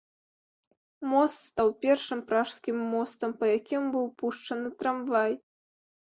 Мост стаў першым пражскім мостам, па якім быў пушчаны трамвай.